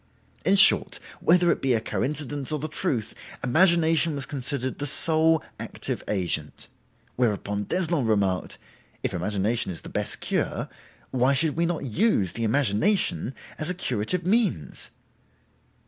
In short—whether it be a coincidence or the truth—imagination was considered the sole active agent. Whereupon d'Eslon remarked, 'If imagination is the best cure, why should we not use the imagination as a curative means?